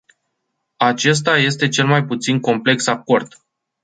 Acesta este cel mai puțin complex acord.